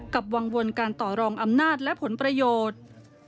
กังวลการต่อรองอำนาจและผลประโยชน์